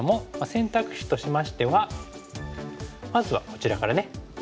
選択肢としましてはまずはこちらからね